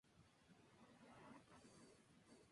Anidan en cavidades dentro de árboles.